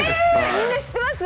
みんな知ってます？